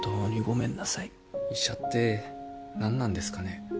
医者って何なんですかね。